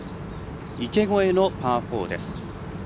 池越えのパー４です。